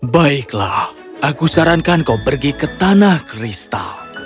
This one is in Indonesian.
baiklah aku sarankan kau pergi ke tanah kristal